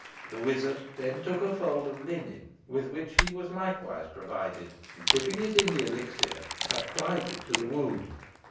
The wizard then took a fold of linen, with which he was likewise provided, and, dipping it in the elixir, applied it to the wound.